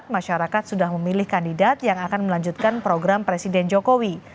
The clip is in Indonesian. masyarakat sudah memilih kandidat yang akan melanjutkan program presiden jokowi